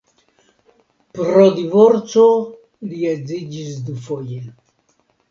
Pro divorco li edziĝis dufoje.